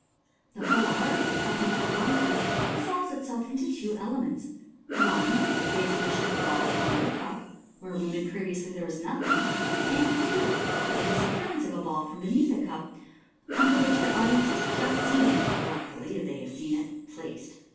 The whole art of cup and ball conjuring resolves itself into two elements (1), the exhibition of a ball under a cup where a moment previously there was nothing j and (2) the disappearance of a ball from beneath a cup under which the audience have just seen it (or believe that they have seen it) placed.